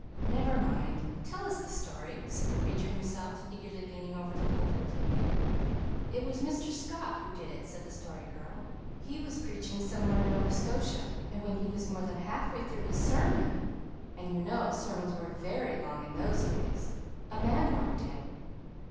"Never mind, tell us the story," said the preacher himself, eagerly leaning over the pulpit. "It was Mr. Scott who did it," said the Story Girl. "He was preaching somewhere in Nova Scotia, and when he was more than half way through his sermon and you know sermons were VERY long in those days a man walked in.